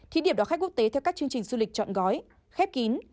thí điểm đón khách quốc tế theo các chương trình du lịch chọn gói khép kín